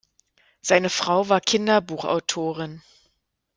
Seine Frau war Kinderbuch-Autorin.